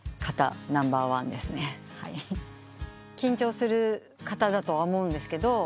緊張する方だとは思うんですけど。